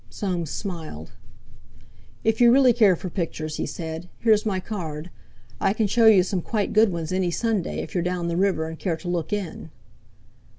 Soames smiled. "If you really care for pictures," he said, "here's my card. I can show you some quite good ones any Sunday, if you're down the river and care to look in."